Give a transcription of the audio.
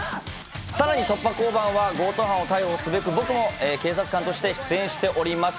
さらに突破交番は強盗犯を逮捕すべく、僕も警察官として出演しております。